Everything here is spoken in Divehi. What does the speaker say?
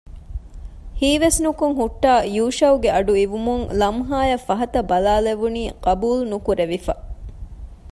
ހީވެސް ނުކޮށް ހުއްޓާ ޔޫޝައުގެ އަޑު އިވުމުން ލަމްހާއަށް ފަހަތަށް ބަލާލެވުނީ ޤަބޫލުނުކުރެވިފަ